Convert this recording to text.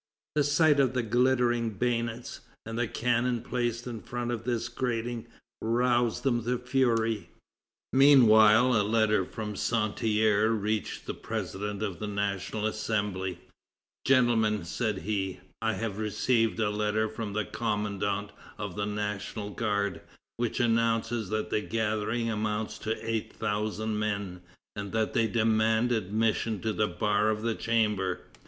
The sight of the glittering bayonets, and the cannon placed in front of this grating, roused them to fury. Meanwhile, a letter from Santerre reached the president of the National Assembly: "Gentlemen," said he, "I have received a letter from the commandant of the National Guard, which announces that the gathering amounts to eight thousand men, and that they demand admission to the bar of the chamber."